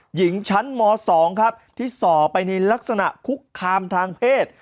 หญิงชั้นม๒ครับที่ส่อไปในลักษณะคุกคามทางเพศ